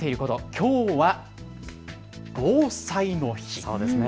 きょうは防災の日。